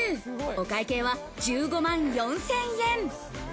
お会計は１５万４０００円。